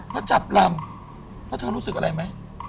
มาจับลำแล้วเธอรู้สึกอะไรไหม